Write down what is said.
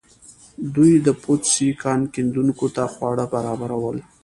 دوی د پوتسي کان کیندونکو ته خواړه برابرول.